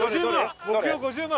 標５０万。